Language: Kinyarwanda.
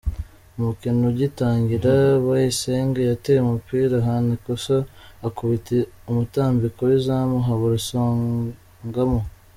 Umukino ugitangira, Bayisenge yateye umupira ahana ikosa ukubita umutambiko w’izamu habura usongamo.